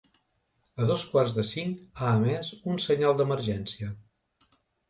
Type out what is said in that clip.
A dos quarts de cinc ha emès un senyal d’emergència.